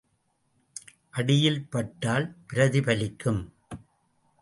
அடியில் பட்டால் பிரதிபலிக்கும்.